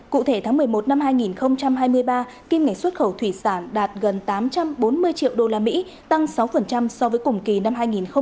cụ thể tháng một mươi một năm hai nghìn hai mươi ba kim ngạch xuất khẩu thủy sản đạt gần tám trăm bốn mươi triệu usd tăng sáu so với cùng kỳ năm hai nghìn hai mươi hai